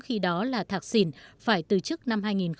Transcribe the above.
khi đó đưa ra một số liệu tài chính sai lệch